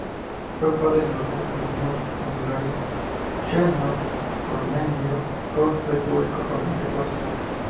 Fue padre de los tribunos consulares Cneo Cornelio Coso y Publio Cornelio Coso.